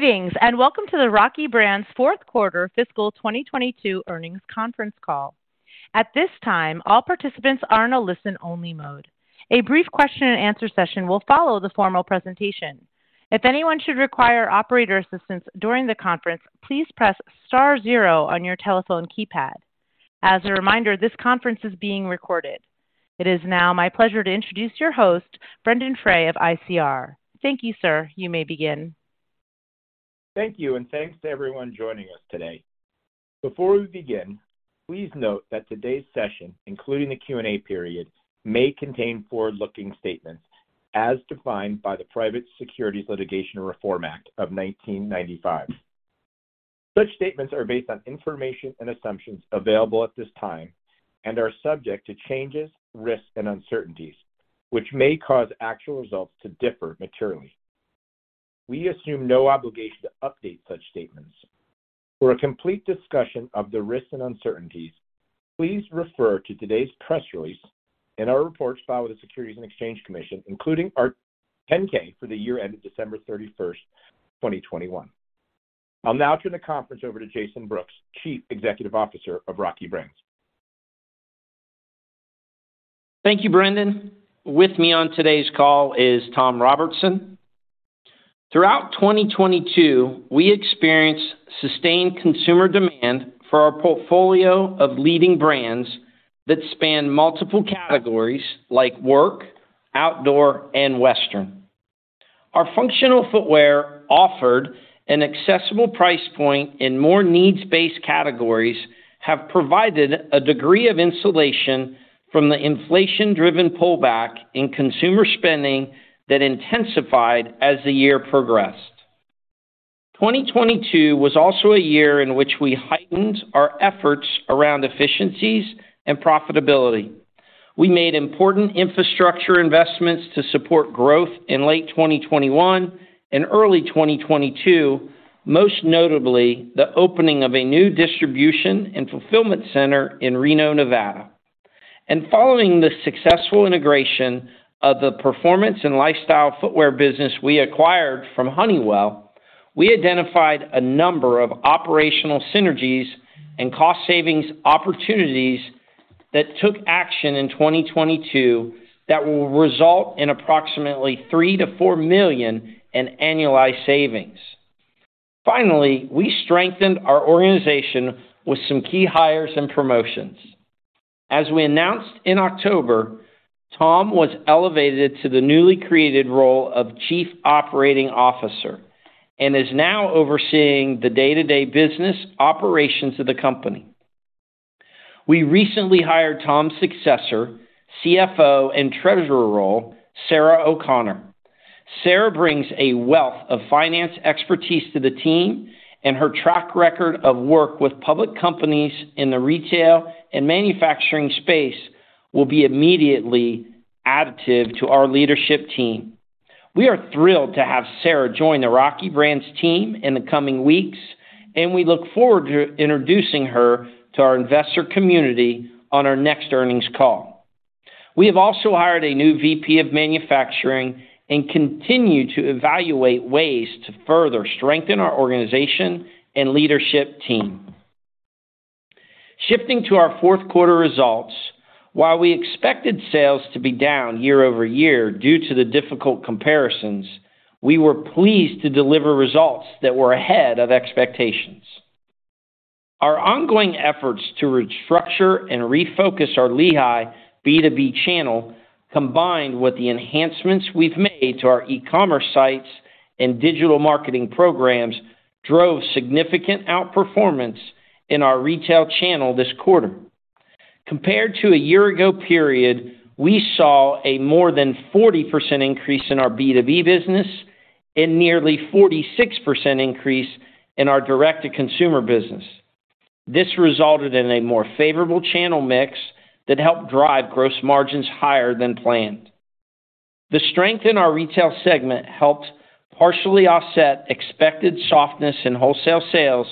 Greetings, and welcome to the Rocky Brands fourth quarter fiscal 2022 earnings conference call. At this time, all participants are in a listen only mode. A brief question and answer session will follow the formal presentation. If anyone should require operator assistance during the conference, please press star zero on your telephone keypad. As a reminder, this conference is being recorded. It is now my pleasure to introduce your host, Brendon Frey of ICR. Thank you, sir. You may begin. Thank you, and thanks to everyone joining us today. Before we begin, please note that today's session, including the Q&A period, may contain forward-looking statements as defined by the Private Securities Litigation Reform Act of 1995. Such statements are based on information and assumptions available at this time and are subject to changes, risks, and uncertainties which may cause actual results to differ materially. We assume no obligation to update such statements. For a complete discussion of the risks and uncertainties, please refer to today's press release and our reports filed with the Securities and Exchange Commission, including our Form 10-K for the year ended December 31st, 2021. I'll now turn the conference over to Jason Brooks, Chief Executive Officer of Rocky Brands. Thank you, Brendon. With me on today's call is Tom Robertson. Throughout 2022, we experienced sustained consumer demand for our portfolio of leading brands that span multiple categories like work, outdoor, and western. Our functional footwear offered an accessible price point in more needs-based categories have provided a degree of insulation from the inflation-driven pullback in consumer spending that intensified as the year progressed. 2022 was also a year in which we heightened our efforts around efficiencies and profitability. We made important infrastructure investments to support growth in late 2021 and early 2022, most notably the opening of a new distribution and fulfillment center in Reno, Nevada. Following the successful integration of the performance and lifestyle footwear business we acquired from Honeywell, we identified a number of operational synergies and cost savings opportunities that took action in 2022 that will result in approximately $3 million-$4 million in annualized savings. Finally, we strengthened our organization with some key hires and promotions. As we announced in October, Tom was elevated to the newly created role of Chief Operating Officer and is now overseeing the day-to-day business operations of the company. We recently hired Tom's successor, CFO and Treasurer role, Sarah O'Connor. Sarah brings a wealth of finance expertise to the team, and her track record of work with public companies in the retail and manufacturing space will be immediately additive to our leadership team. We are thrilled to have Sarah join the Rocky Brands team in the coming weeks, and we look forward to introducing her to our investor community on our next earnings call. We have also hired a new VP of manufacturing and continue to evaluate ways to further strengthen our organization and leadership team. Shifting to our fourth quarter results, while we expected sales to be down year-over-year due to the difficult comparisons, we were pleased to deliver results that were ahead of expectations. Our ongoing efforts to restructure and refocus our Lehigh B2B channel, combined with the enhancements we've made to our e-commerce sites and digital marketing programs, drove significant outperformance in our retail channel this quarter. Compared to a year ago period, we saw a more than 40% increase in our B2B business and nearly 46% increase in our direct to consumer business. This resulted in a more favorable channel mix that helped drive gross margins higher than planned. The strength in our retail segment helped partially offset expected softness in wholesale sales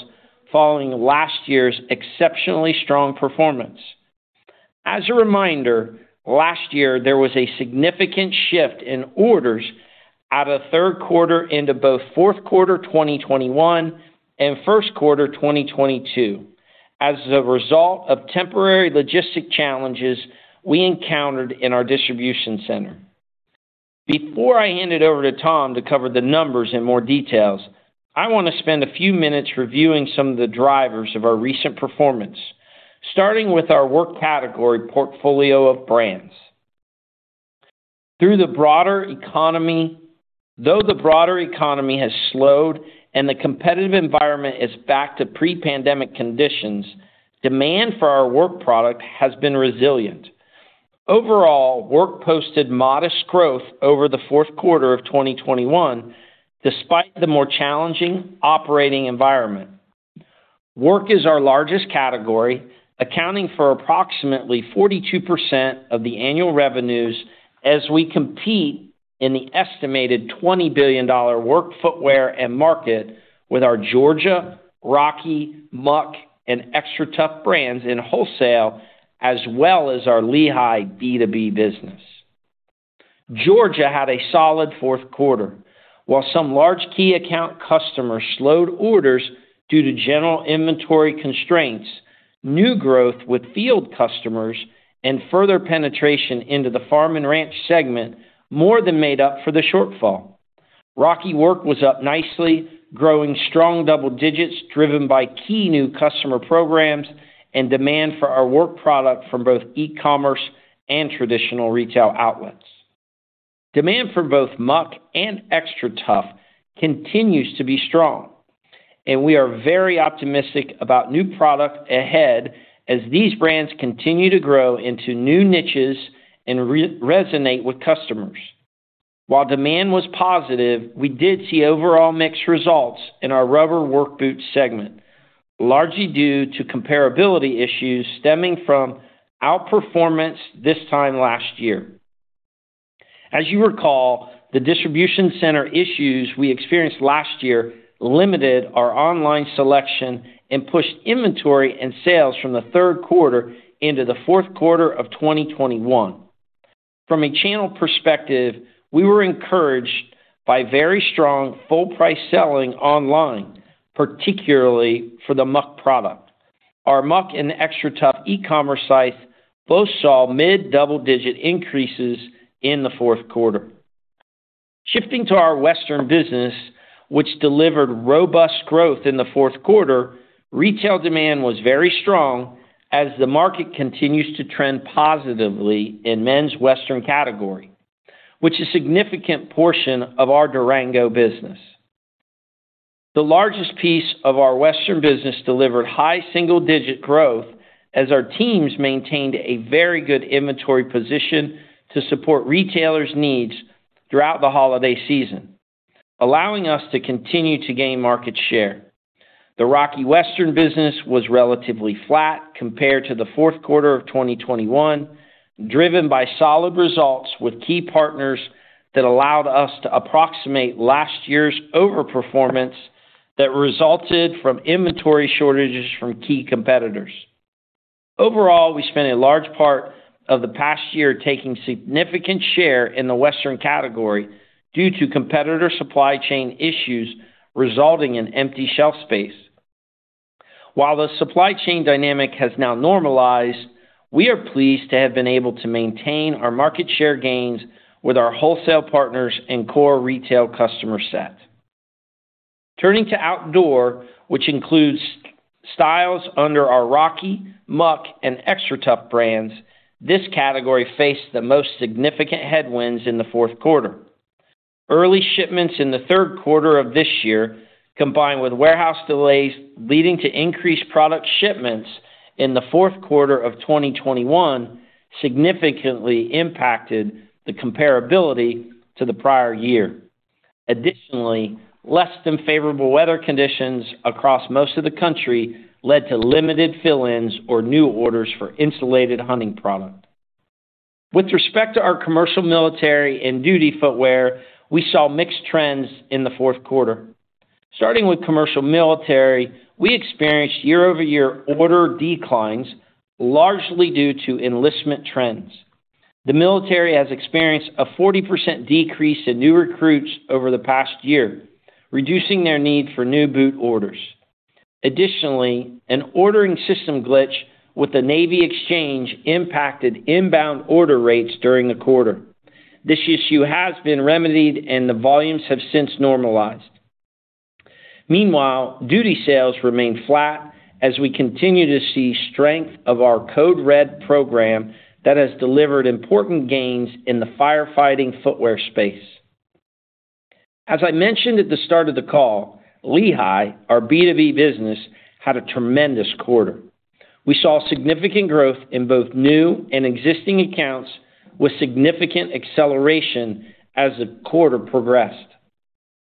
following last year's exceptionally strong performance. As a reminder, last year there was a significant shift in orders out of third quarter into both fourth quarter 2021 and first quarter 2022 as a result of temporary logistic challenges we encountered in our distribution center. Before I hand it over to Tom to cover the numbers in more details, I want to spend a few minutes reviewing some of the drivers of our recent performance, starting with our work category portfolio of brands. Though the broader economy has slowed and the competitive environment is back to pre-pandemic conditions, demand for our work product has been resilient. Overall, work posted modest growth over the fourth quarter of 2021 despite the more challenging operating environment. Work is our largest category, accounting for approximately 42% of the annual revenues as we compete in the estimated $20 billion work footwear and market with our Georgia, Rocky, Muck, and XTRATUF brands in wholesale as well as our Lehigh B2B business. Georgia had a solid fourth quarter. While some large key account customers slowed orders due to general inventory constraints, new growth with field customers and further penetration into the farm and ranch segment more than made up for the shortfall. Rocky work was up nicely, growing strong double digits driven by key new customer programs and demand for our work product from both e-commerce and traditional retail outlets. Demand for both Muck and XTRATUF continues to be strong, and we are very optimistic about new product ahead as these brands continue to grow into new niches and re-resonate with customers. While demand was positive, we did see overall mixed results in our rubber work boot segment, largely due to comparability issues stemming from outperformance this time last year. As you recall, the distribution center issues we experienced last year limited our online selection and pushed inventory and sales from the third quarter into the fourth quarter of 2021. From a channel perspective, we were encouraged by very strong full price selling online, particularly for the Muck product. Our Muck and the XTRATUF e-commerce sites both saw mid-double-digit increases in the fourth quarter. Shifting to our Western business, which delivered robust growth in the 4th quarter, retail demand was very strong as the market continues to trend positively in men's Western category, which is a significant portion of our Durango business. The largest piece of our Western business delivered high single-digit growth as our teams maintained a very good inventory position to support retailers' needs throughout the holiday season, allowing us to continue to gain market share. The Rocky Western business was relatively flat compared to the 4th quarter of 2021, driven by solid results with key partners that allowed us to approximate last year's overperformance that resulted from inventory shortages from key competitors. Overall, we spent a large part of the past year taking significant share in the Western category due to competitor supply chain issues resulting in empty shelf space. While the supply chain dynamic has now normalized, we are pleased to have been able to maintain our market share gains with our wholesale partners and core retail customer set. Turning to outdoor, which includes styles under our Rocky, Muck, and XTRATUF brands, this category faced the most significant headwinds in the fourth quarter. Early shipments in the third quarter of this year, combined with warehouse delays leading to increased product shipments in the fourth quarter of 2021, significantly impacted the comparability to the prior year. Less than favorable weather conditions across most of the country led to limited fill-ins or new orders for insulated hunting product. With respect to our commercial military and duty footwear, we saw mixed trends in the fourth quarter. Starting with commercial military, we experienced year-over-year order declines, largely due to enlistment trends. The military has experienced a 40% decrease in new recruits over the past year, reducing their need for new boot orders. Additionally, an ordering system glitch with the Navy Exchange impacted inbound order rates during the quarter. This issue has been remedied, and the volumes have since normalized. Meanwhile, duty sales remain flat as we continue to see strength of our Code Red program that has delivered important gains in the firefighting footwear space. As I mentioned at the start of the call, Lehigh, our B2B business, had a tremendous quarter. We saw significant growth in both new and existing accounts with significant acceleration as the quarter progressed.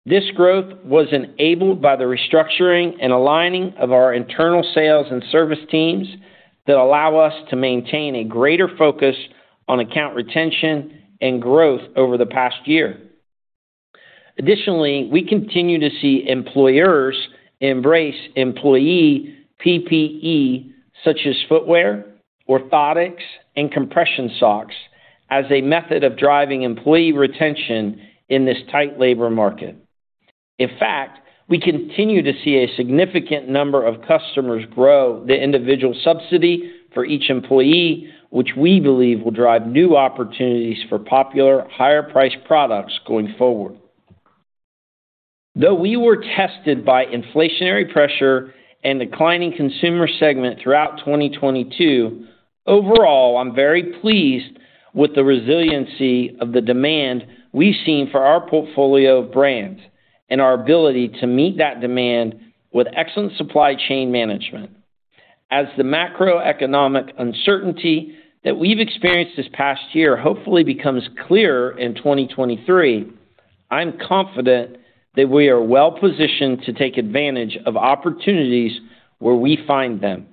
This growth was enabled by the restructuring and aligning of our internal sales and service teams that allow us to maintain a greater focus on account retention and growth over the past year. Additionally, we continue to see employers embrace employee PPE, such as footwear, orthotics, and compression socks as a method of driving employee retention in this tight labor market. In fact, we continue to see a significant number of customers grow the individual subsidy for each employee, which we believe will drive new opportunities for popular higher-priced products going forward. Though we were tested by inflationary pressure and declining consumer segment throughout 2022, overall, I'm very pleased with the resiliency of the demand we've seen for our portfolio of brands and our ability to meet that demand with excellent supply chain management. As the macroeconomic uncertainty that we've experienced this past year hopefully becomes clearer in 2023, I'm confident that we are well-positioned to take advantage of opportunities where we find them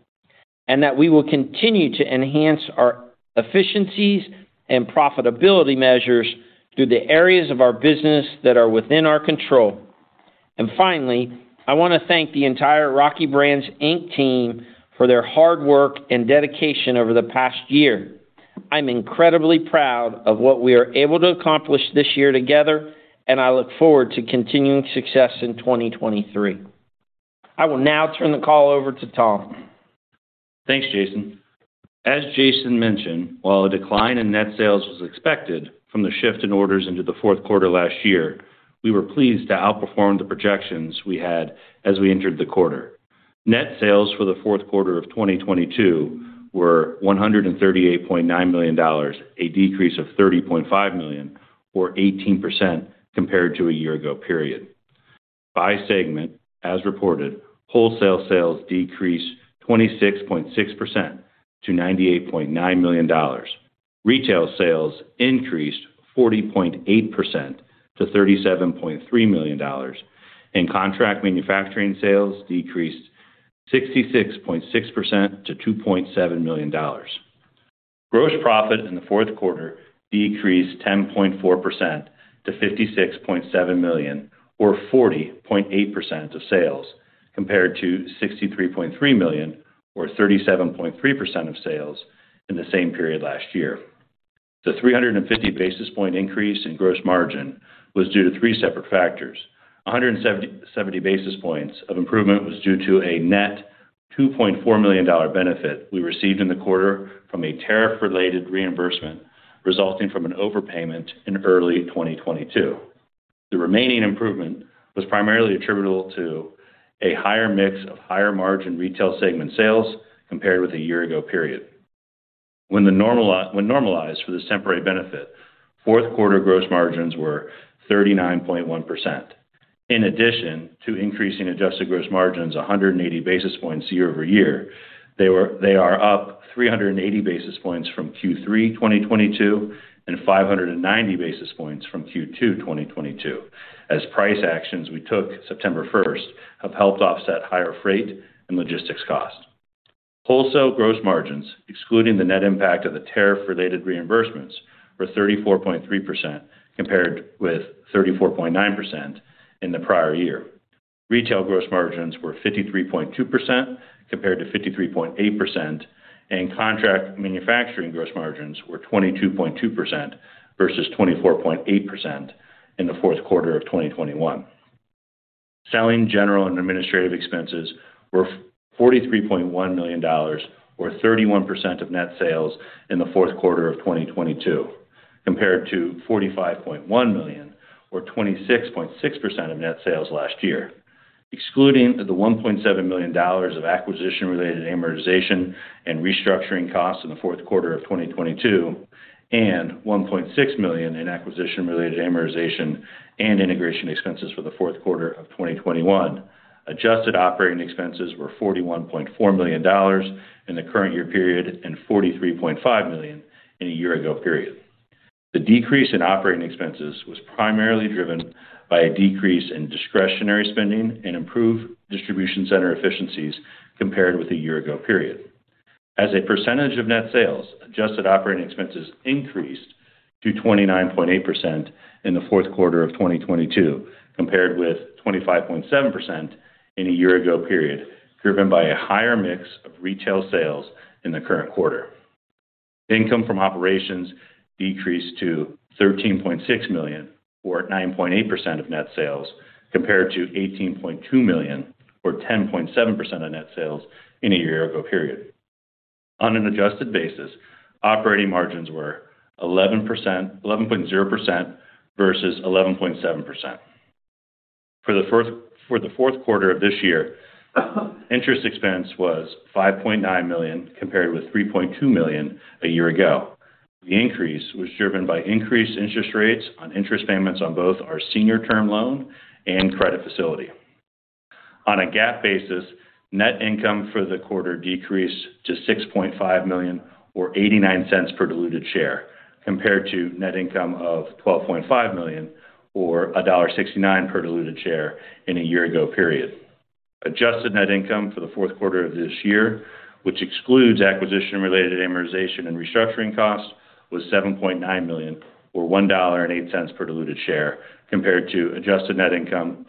and that we will continue to enhance our efficiencies and profitability measures through the areas of our business that are within our control. Finally, I wanna thank the entire Rocky Brands, Inc team for their hard work and dedication over the past year. I'm incredibly proud of what we are able to accomplish this year together, and I look forward to continuing success in 2023. I will now turn the call over to Tom. Thanks, Jason. As Jason mentioned, while a decline in net sales was expected from the shift in orders into the fourth quarter last year, we were pleased to outperform the projections we had as we entered the quarter. Net sales for the fourth quarter of 2022 were $138.9 million, a decrease of $30.5 million or 18% compared to a year ago period. By segment, as reported, wholesale sales decreased 26.6% to $98.9 million. Retail sales increased 40.8% to $37.3 million, and contract manufacturing sales decreased 66.6% to $2.7 million. Gross profit in the fourth quarter decreased 10.4% to $56.7 million or 40.8% of sales, compared to $63.3 million or 37.3% of sales in the same period last year. The 350 basis point increase in gross margin was due to three separate factors. 170 basis points of improvement was due to a net $2.4 million benefit we received in the quarter from a tariff-related reimbursement, resulting from an overpayment in early 2022. The remaining improvement was primarily attributable to a higher mix of higher margin retail segment sales compared with a year ago period. When normalized for this temporary benefit, fourth quarter gross margins were 39.1%. In addition to increasing adjusted gross margins 180 basis points year-over-year, they are up 380 basis points from Q3 2022 and 590 basis points from Q2 2022, as price actions we took September 1st have helped offset higher freight and logistics costs. Wholesale gross margins, excluding the net impact of the tariff-related reimbursements, were 34.3% compared with 34.9% in the prior year. Retail gross margins were 53.2% compared to 53.8%, and contract manufacturing gross margins were 22.2% versus 24.8% in the fourth quarter of 2021. Selling, general, and administrative expenses were $43.1 million or 31% of net sales in the fourth quarter of 2022 compared to $45.1 million or 26.6% of net sales last year. Excluding the $1.7 million of acquisition-related amortization and restructuring costs in the fourth quarter of 2022 and $1.6 million in acquisition-related amortization and integration expenses for the fourth quarter of 2021. Adjusted operating expenses were $41.4 million in the current year period and $43.5 million in a year ago period. The decrease in operating expenses was primarily driven by a decrease in discretionary spending and improved distribution center efficiencies compared with a year ago period. As a percentage of net sales, adjusted operating expenses increased to 29.8% in the fourth quarter of 2022 compared with 25.7% in a year-ago period, driven by a higher mix of retail sales in the current quarter. Income from operations decreased to $13.6 million or 9.8% of net sales, compared to $18.2 million or 10.7% of net sales in a year-ago period. On an adjusted basis, operating margins were 11.0% versus 11.7%. For the fourth quarter of this year, interest expense was $5.9 million, compared with $3.2 million a year ago. The increase was driven by increased interest rates on interest payments on both our senior term loan and credit facility. On a GAAP basis, net income for the quarter decreased to $6.5 million or $0.89 per diluted share, compared to net income of $12.5 million or $1.69 per diluted share in a year ago period. Adjusted net income for the fourth quarter of this year, which excludes acquisition-related amortization and restructuring costs, was $7.9 million or $1.08 per diluted share, compared to adjusted net income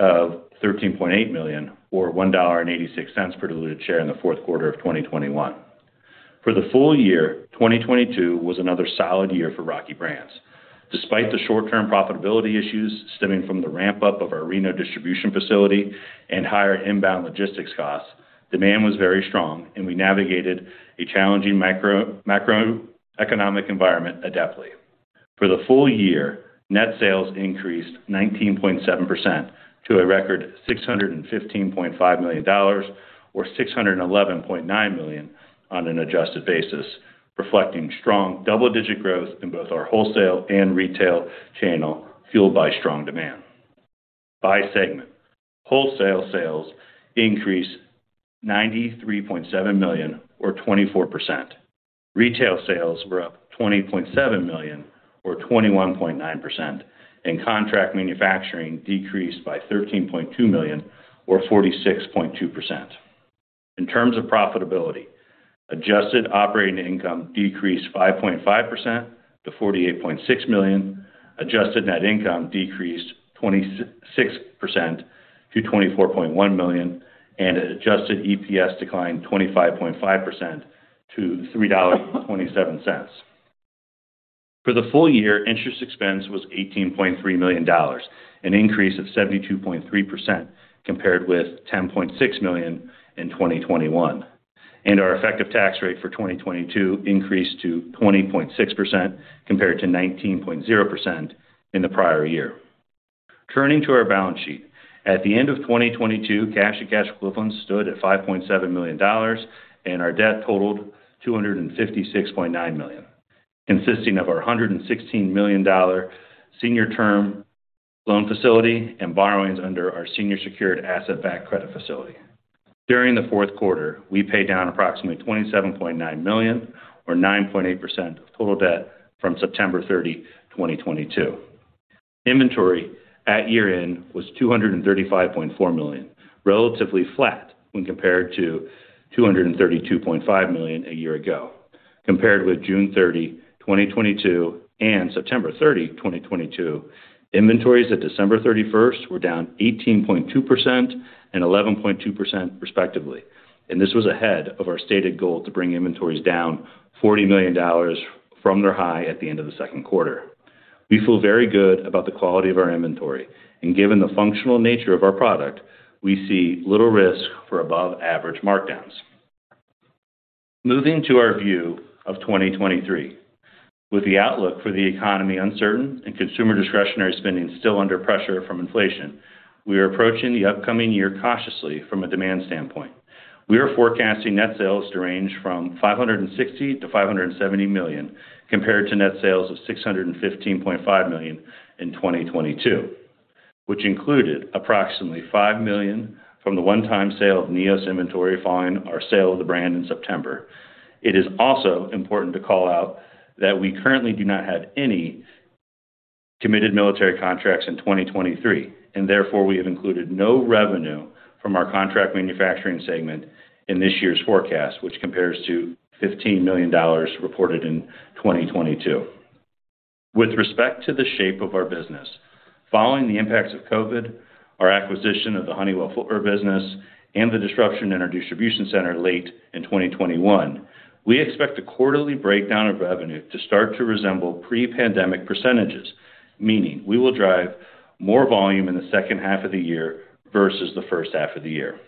of $13.8 million or $1.86 per diluted share in the fourth quarter of 2021. For the full year, 2022 was another solid year for Rocky Brands. Despite the short-term profitability issues stemming from the ramp-up of our Reno distribution facility and higher inbound logistics costs, demand was very strong, and we navigated a challenging macroeconomic environment adeptly. For the full year, net sales increased 19.7% to a record $615.5 million or $611.9 million on an adjusted basis, reflecting strong double-digit growth in both our wholesale and retail channel, fueled by strong demand. By segment, wholesale sales increased $93.7 million or 24%. Retail sales were up $20.7 million or 21.9%. Contract manufacturing decreased by $13.2 million or 46.2%. In terms of profitability, adjusted operating income decreased 5.5% to $48.6 million. Adjusted net income decreased 26% to $24.1 million. Adjusted EPS declined 25.5% to $3.27. For the full year, interest expense was $18.3 million, an increase of 72.3% compared with $10.6 million in 2021. Our effective tax rate for 2022 increased to 20.6% compared to 19.0% in the prior year. Turning to our balance sheet. At the end of 2022, cash and cash equivalents stood at $5.7 million and our debt totaled $256.9 million, consisting of our $116 million senior term loan facility and borrowings under our senior secured asset-backed credit facility. During the fourth quarter, we paid down approximately $27.9 million or 9.8% of total debt from September 30, 2022. Inventory at year-end was $235.4 million, relatively flat when compared to $232.5 million a year ago. Compared with June 30, 2022 and September 30, 2022, inventories at December 31st were down 18.2% and 11.2% respectively. This was ahead of our stated goal to bring inventories down $40 million from their high at the end of the second quarter. We feel very good about the quality of our inventory, and given the functional nature of our product, we see little risk for above average markdowns. Moving to our view of 2023. With the outlook for the economy uncertain and consumer discretionary spending still under pressure from inflation, we are approaching the upcoming year cautiously from a demand standpoint. We are forecasting net sales to range from $560 million-$570 million, compared to net sales of $615.5 million in 2022, which included approximately $5 million from the one-time sale of NEOS inventory following our sale of the brand in September. It is also important to call out that we currently do not have any committed military contracts in 2023, and therefore, we have included no revenue from our contract manufacturing segment in this year's forecast, which compares to $15 million reported in 2022. With respect to the shape of our business, following the impacts of COVID, our acquisition of the Honeywell footwear business, and the disruption in our distribution center late in 2021, we expect a quarterly breakdown of revenue to start to resemble pre-pandemic percentages. We will drive more volume in the second half of the year versus the first half of the year.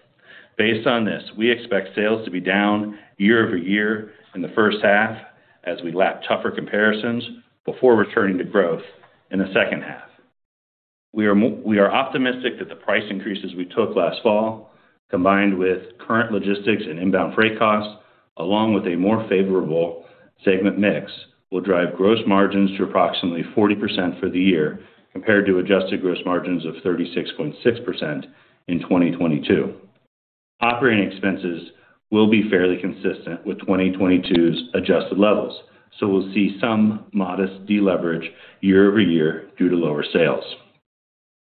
Based on this, we expect sales to be down year-over-year in the first half as we lap tougher comparisons before returning to growth in the second half. We are optimistic that the price increases we took last fall, combined with current logistics and inbound freight costs, along with a more favorable segment mix, will drive gross margins to approximately 40% for the year compared to adjusted gross margins of 36.6% in 2022. Operating expenses will be fairly consistent with 2022's adjusted levels, we'll see some modest deleverage year-over-year due to lower sales.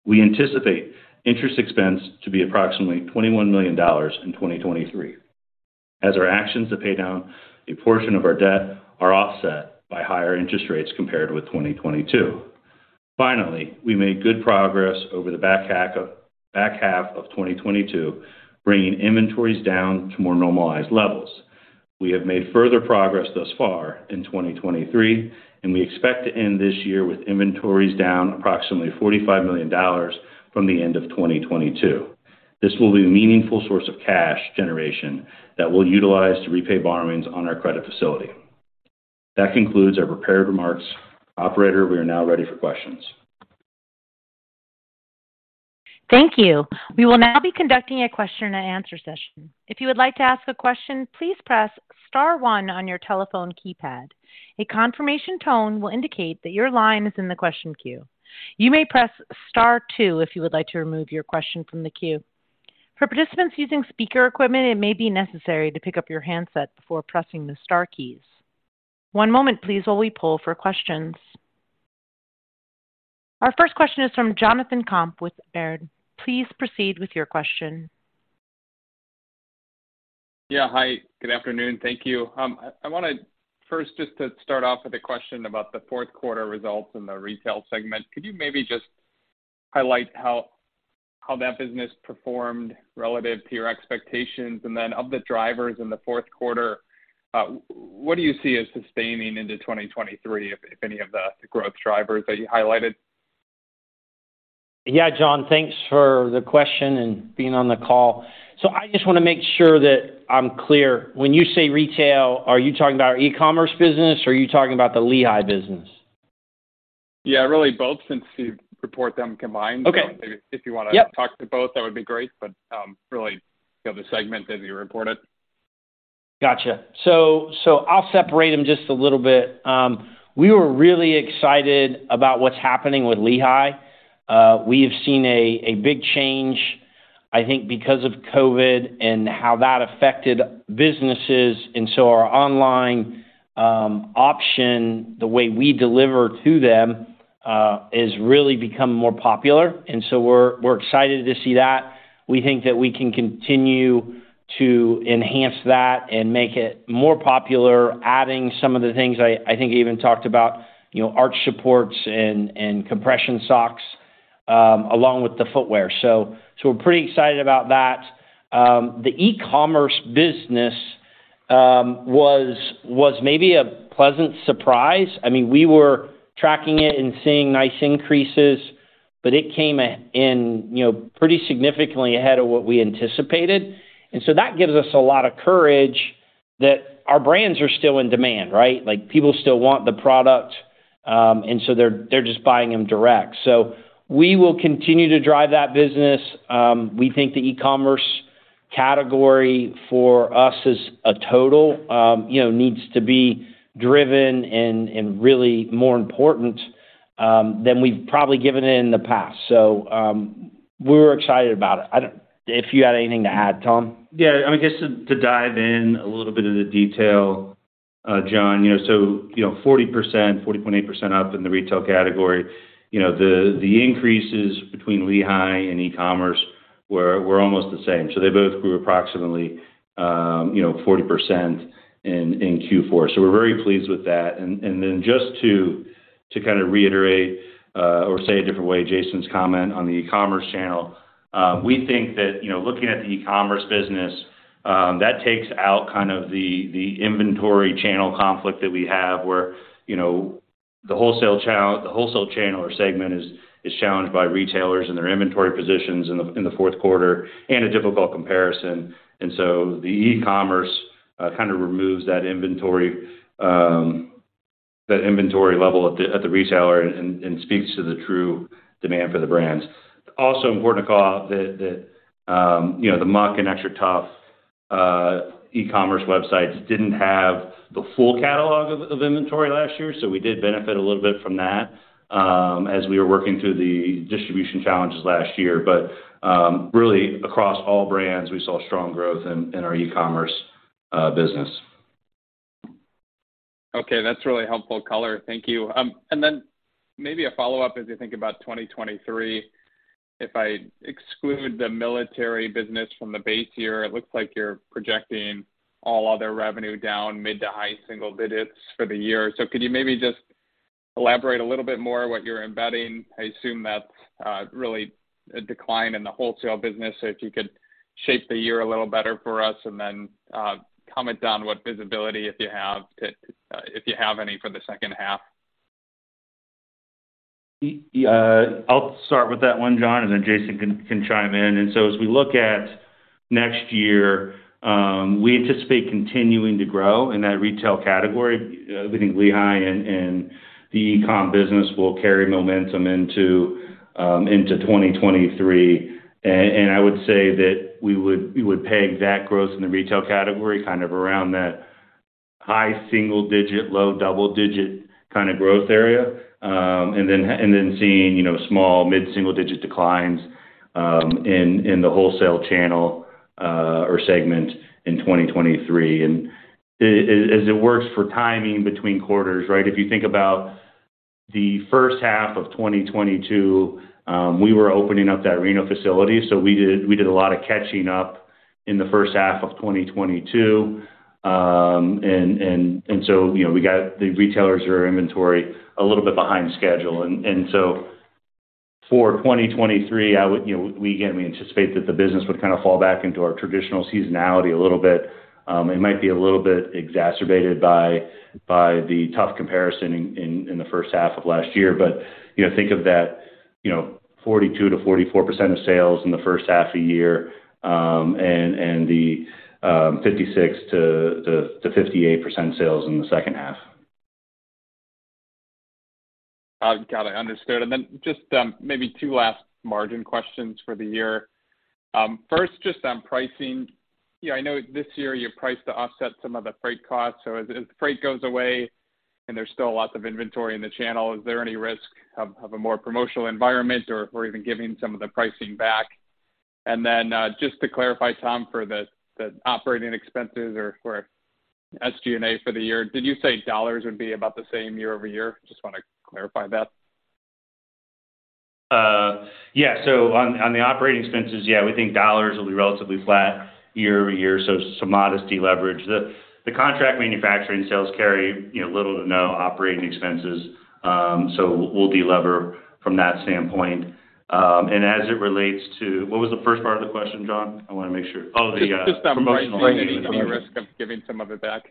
We anticipate interest expense to be approximately $21 million in 2023 as our actions to pay down a portion of our debt are offset by higher interest rates compared with 2022. We made good progress over the back half of 2022, bringing inventories down to more normalized levels. We have made further progress thus far in 2023, and we expect to end this year with inventories down approximately $45 million from the end of 2022. This will be a meaningful source of cash generation that we'll utilize to repay borrowings on our credit facility. That concludes our prepared remarks. Operator, we are now ready for questions. Thank you. We will now be conducting a question and answer session. If you would like to ask a question, please press star one on your telephone keypad. A confirmation tone will indicate that your line is in the question queue. You may press star two if you would like to remove your question from the queue. For participants using speaker equipment, it may be necessary to pick up your handset before pressing the star keys. One moment please while we poll for questions. Our first question is from Jonathan Komp with Baird. Please proceed with your question. Yeah, hi. Good afternoon. Thank you. I wanna first just to start off with a question about the fourth quarter results in the retail segment. Could you maybe just highlight how that business performed relative to your expectations? Of the drivers in the fourth quarter, what do you see as sustaining into 2023, if any of the growth drivers that you highlighted? Yeah, John, thanks for the question and being on the call. I just wanna make sure that I'm clear. When you say retail, are you talking about our e-commerce business or are you talking about the Lehigh business? Yeah, really both, since you report them combined. Okay. If you wanna- Yep. talk to both, that would be great. really, you know, the segment as you report it. Gotcha. I'll separate them just a little bit. We were really excited about what's happening with Lehigh. We have seen a big change, I think, because of COVID and how that affected businesses. Our online option, the way we deliver to them. Has really become more popular, we're excited to see that. We think that we can continue to enhance that and make it more popular, adding some of the things I think even talked about, you know, arch supports and compression socks along with the footwear. We're pretty excited about that. The e-commerce business was maybe a pleasant surprise. I mean, we were tracking it and seeing nice increases, but it came in, you know, pretty significantly ahead of what we anticipated. That gives us a lot of courage that our brands are still in demand, right? Like, people still want the product, they're just buying them direct. We will continue to drive that business. We think the e-commerce category for us as a total, you know, needs to be driven and really more important than we've probably given it in the past. We're excited about it. I don't. If you had anything to add, Tom. Yeah. I mean, just to dive in a little bit into detail, John. You know, 40%, 40.8% up in the retail category. You know, the increases between Lehigh and e-commerce were almost the same. They both grew approximately, you know, 40% in Q4. We're very pleased with that. Just to kind of reiterate or say a different way Jason's comment on the e-commerce channel. We think that, you know, looking at the e-commerce business, that takes out kind of the inventory channel conflict that we have where, you know, the wholesale channel or segment is challenged by retailers and their inventory positions in the fourth quarter and a difficult comparison. The e-commerce kind of removes that inventory, that inventory level at the retailer and speaks to the true demand for the brands. Also important to call out that, you know, the Muck and XTRATUF e-commerce websites didn't have the full catalog of inventory last year, so we did benefit a little bit from that, as we were working through the distribution challenges last year. Really across all brands, we saw strong growth in our e-commerce business. Okay. That's really helpful color. Thank you. And then maybe a follow-up as you think about 2023. If I exclude the military business from the base year, it looks like you're projecting all other revenue down mid-to-high single digits % for the year. Could you maybe just elaborate a little bit more what you're embedding? I assume that's really a decline in the wholesale business. If you could shape the year a little better for us, and then comment on what visibility, if you have, if you have any for the second half. I'll start with that one, John, and then Jason can chime in. As we look at next year, we anticipate continuing to grow in that retail category within Lehigh and the e-com business will carry momentum into 2023. I would say that we would peg that growth in the retail category kind of around that high single-digit-low double-digit kind of growth area. Then seeing, you know, small mid-single-digit declines in the wholesale channel or segment in 2023. As it works for timing between quarters, right? If you think about the first half of 2022, we were opening up that Reno facility, so we did a lot of catching up in the first half of 2022. You know, we got the retailers' inventory a little bit behind schedule. For 2023, I would, you know, again, we anticipate that the business would kind of fall back into our traditional seasonality a little bit. It might be a little bit exacerbated by the tough comparison in the first half of last year. You know, think of that, you know, 42%-44% of sales in the first half of the year, and the 56%-58% sales in the second half. Got it. Understood. Just, maybe two last margin questions for the year. First, just on pricing. Yeah, I know this year you priced to offset some of the freight costs. As the freight goes away and there's still lots of inventory in the channel, is there any risk of a more promotional environment or even giving some of the pricing back? Just to clarify, Tom, for the operating expenses or for SG&A for the year, did you say dollars would be about the same year-over-year? Just wanna clarify that. Yeah. On the operating expenses, yeah, we think dollars will be relatively flat year-over-year, so some modest deleverage. The contract manufacturing sales carry, you know, little to no operating expenses, so we'll delever from that standpoint. As it relates to... What was the first part of the question, John? I wanna make sure. Just on pricing, any risk of giving some of it back?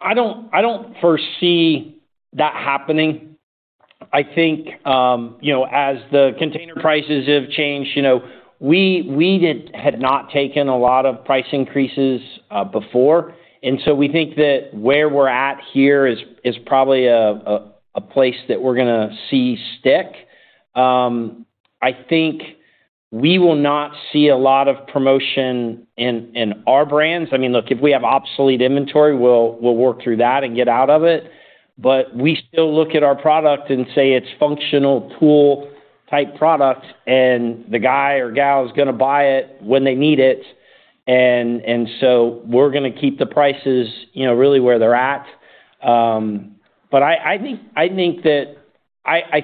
I don't, I don't foresee that happening. I think, you know, as the container prices have changed, you know, we had not taken a lot of price increases before. We think that where we're at here is probably a place that we're gonna see stick. I think we will not see a lot of promotion in our brands. I mean, look, if we have obsolete inventory, we'll work through that and get out of it. We still look at our product and say it's functional tool type product, and the guy or girll is gonna buy it when they need it. We're gonna keep the prices, you know, really where they're at. I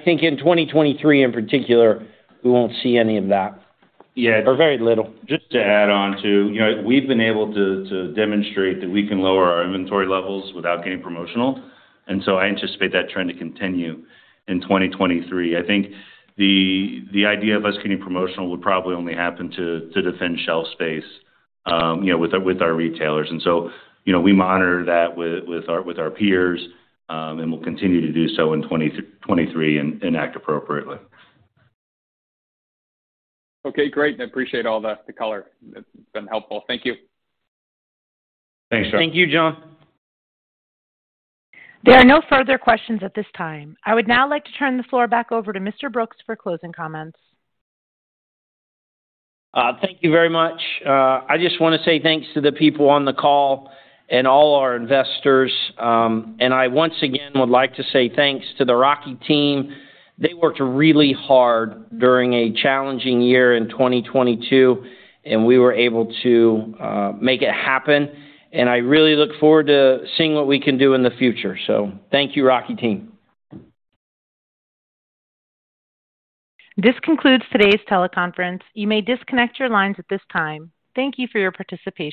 think in 2023 in particular, we won't see any of that. Yeah. Very little. Just to add on to. You know, we've been able to demonstrate that we can lower our inventory levels without getting promotional, and so I anticipate that trend to continue in 2023. I think the idea of us getting promotional would probably only happen to defend shelf space, you know, with our retailers. You know, we monitor that with our peers, and we'll continue to do so in 2023 and act appropriately. Okay, great. I appreciate all the color. It's been helpful. Thank you. Thanks, John. Thank you, John. There are no further questions at this time. I would now like to turn the floor back over to Mr. Brooks for closing comments. Thank you very much. I just wanna say thanks to the people on the call and all our investors. I once again would like to say thanks to the Rocky team. They worked really hard during a challenging year in 2022, and we were able to make it happen. I really look forward to seeing what we can do in the future. Thank you, Rocky team. This concludes today's teleconference. You may disconnect your lines at this time. Thank you for your participation.